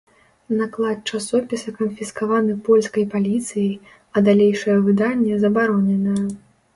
Наклад часопіса канфіскаваны польскай паліцыяй, а далейшае выданне забароненае.